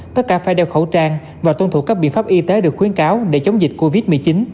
tất cả phải đeo khẩu trang và tuân thủ các biện pháp y tế được khuyến cáo để chống dịch covid một mươi chín